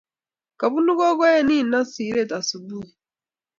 kobunuu kokoe nino siree asubui